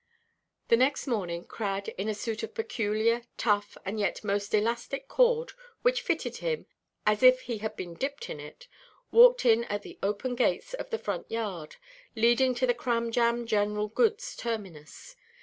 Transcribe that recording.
The next morning, Crad, in a suit of peculiar, tough, and yet most elastic cord, which fitted him as if he had been dipped in it, walked in at the open gates of the front yard, leading to the Cramjam general goods terminus.